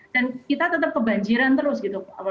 dan kita tetap kebanjiran terus gitu